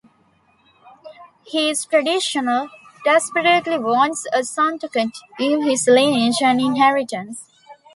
He is traditional, desperately wants a son to continue his lineage and inheritance.